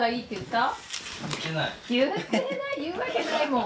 言うわけないもん